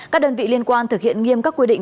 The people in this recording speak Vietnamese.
các đơn vị liên quan thực hiện nghiêm các quy định